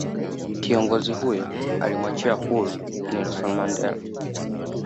kiongozi huyo alimuachia huru Nelson Mandela